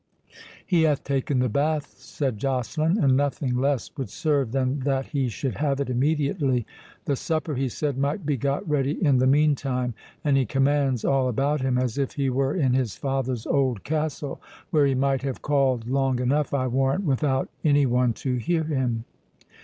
"He hath taken the bath" said Joceline, "and nothing less would serve than that he should have it immediately—the supper, he said, might be got ready in the meantime; and he commands all about him as if he were in his father's old castle, where he might have called long enough, I warrant, without any one to hear him."